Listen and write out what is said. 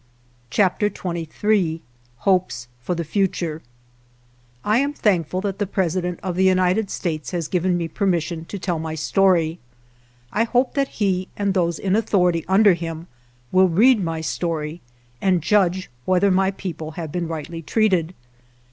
212 CHAPTER XXIII HOPES FOR THE FUTURE 1AM thankful that the President of the United States has given me permission to tell my story. I hope that he and those in authority under him will read my story and judge whether my people have been rightly treated.